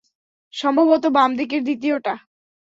সম্ভবত বামদিকের দ্বিতীয়টা।